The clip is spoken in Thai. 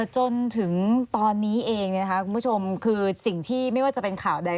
จนถึงตอนนี้เองคุณผู้ชมคือสิ่งที่ไม่ว่าจะเป็นข่าวใด